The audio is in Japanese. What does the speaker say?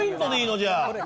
じゃあ。